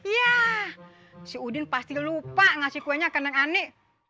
wah si udin pasti lupa ngasih kuenya kandang ani